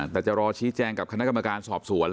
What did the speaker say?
แต่จะรอชี้แจงกับคณะกรรมการสอบสวน